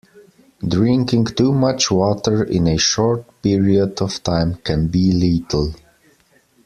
Drinking too much water in a short period of time can be lethal.